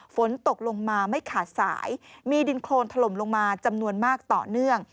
ฝนตกลงมาไม่ขาดสายมีดินโครนถล่มลงมาจำนวนมากต่อเนื่อง